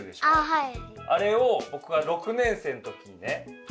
はい。